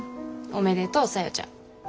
おめでとう小夜ちゃん。